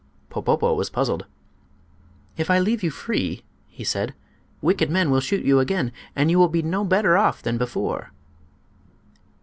Popopo was puzzled. "If I leave you free," he said, "wicked men will shoot you again, and you will be no better off than before."